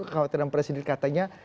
kekhawatiran presiden katanya